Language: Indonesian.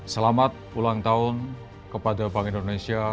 selamat ulang tahun kepada bank indonesia